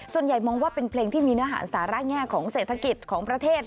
ส่วนใหญ่มองว่าเป็นเพลงที่มีเนื้อหาสาระแง่ของเศรษฐกิจของประเทศ